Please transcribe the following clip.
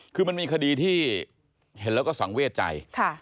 คือมันมีคดีที่เห็นแล้วก็สังเวทใจ